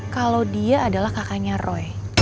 kalau dia adalah kakaknya roy